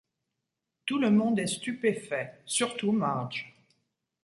Tout le monde est stupéfait, surtout Marge.